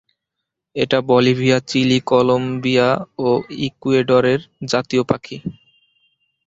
এটা Bolivia, Chile, Colombia ও ইকুয়েডরের জাতীয় পাখি।